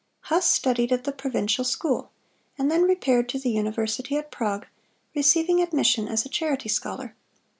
Huss studied at the provincial school, and then repaired to the university at Prague, receiving admission as a charity scholar.